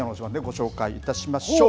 ご紹介いたしましょう。